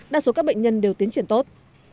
đa số các bệnh nhân đều tiến triển tốt